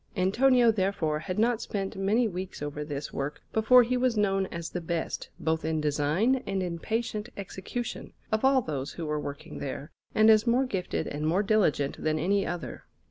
Antonio, therefore, had not spent many weeks over this work before he was known as the best, both in design and in patient execution, of all those who were working there, and as more gifted and more diligent than any other.